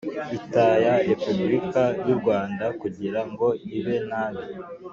lta ya Repubulika y u Rwanda kugira ngo ibe nabi